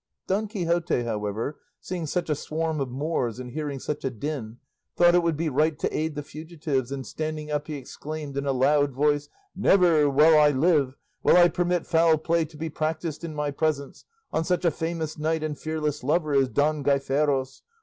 Don Quixote, however, seeing such a swarm of Moors and hearing such a din, thought it would be right to aid the fugitives, and standing up he exclaimed in a loud voice, "Never, while I live, will I permit foul play to be practised in my presence on such a famous knight and fearless lover as Don Gaiferos.